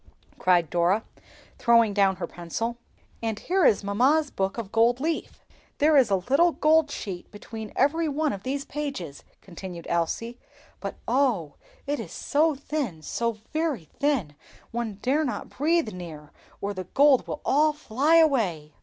cried Dora, throwing down her pencil. "And here is mamma's book of gold leaf; there is a little gold sheet between every one of the pages," continued Elsie. "But oh! it is so thin, so very thin, one dare not breathe near, or the gold would all fly away!"